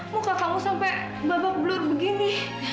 muka kamu sampai babak belur begini